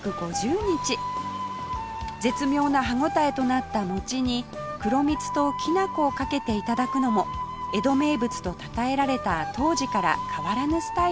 絶妙な歯応えとなった餅に黒蜜ときな粉をかけて頂くのも江戸名物とたたえられた当時から変わらぬスタイルです